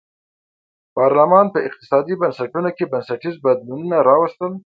پارلمان په اقتصادي بنسټونو کې بنسټیز بدلونونه راوستل.